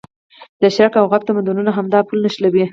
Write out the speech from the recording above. د شرق او غرب تمدونونه همدا پل نښلوي.